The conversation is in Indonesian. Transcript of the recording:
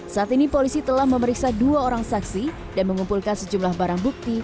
saat ini polisi telah memeriksa dua orang saksi dan mengumpulkan sejumlah barang bukti